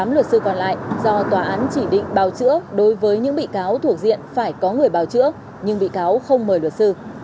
tám luật sư còn lại do tòa án chỉ định bào chữa đối với những bị cáo thuộc diện phải có người bào chữa nhưng bị cáo không mời luật sư